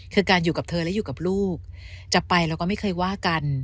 คือการอยู่กับเธอและอยู่กับลูกจะไปเราก็ไม่เคยว่ากัน